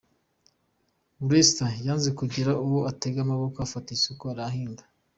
Rasta yanze kugira uwo atega amaboko afata isuka arahinga.